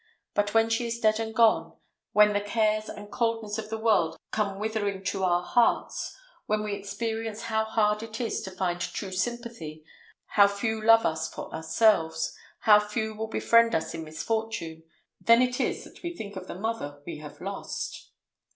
But when she is dead and gone, when the cares and coldness of the world come withering to our hearts, when we experience how hard it is to find true sympathy, how few love us for ourselves, how few will befriend us in misfortune, then it is that we think of the mother we have lost.